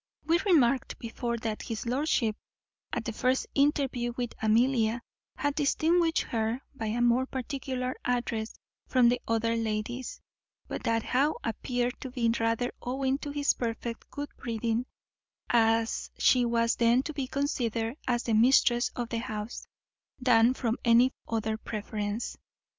We remarked before that his lordship, at the first interview with Amelia, had distinguished her by a more particular address from the other ladies; but that now appeared to be rather owing to his perfect good breeding, as she was then to be considered as the mistress of the house, than from any other preference.